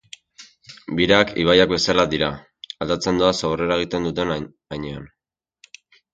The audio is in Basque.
Birak ibaiak bezala dira, aldatzen doaz aurrera egiten duten heinean.